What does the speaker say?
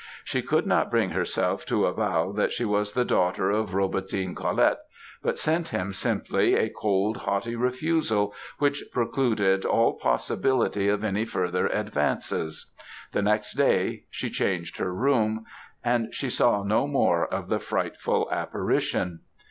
She could not bring herself to avow that she was the daughter of Robertine Collet; but sent him, simply, a cold, haughty refusal, which precluded all possibility of any further advances. The next day, she changed her room, and she saw no more of the frightful apparition.